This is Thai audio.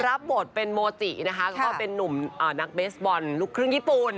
รับบทเป็นโมจินะคะก็เป็นนุ่มนักเบสบอลลูกครึ่งญี่ปุ่น